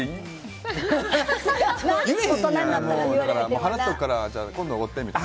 払っとくから今度はおごってみたいな。